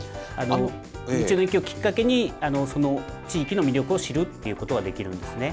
道の駅をきっかけに、その地域の魅力を知るっていうことができるんですね。